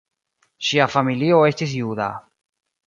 Ŝia familio estis juda.